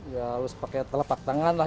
ya harus pakai telapak tangan lah